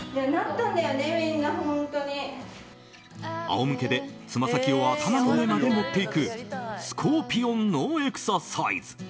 仰向けでつま先を頭の上まで持っていくスコーピオンのエクササイズ。